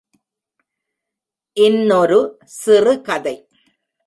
இன்னொரு சிறுகதை!